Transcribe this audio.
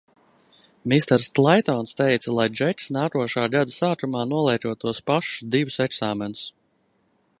Misters Klaitons teica, lai Džeks nākošā gada sākumā noliekot tos pašus divus eksāmenus.